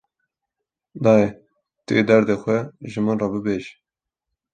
Dayê, tu yê derdê xwe ji min re bibêjî